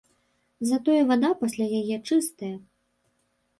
Затое вада пасля яе чыстая.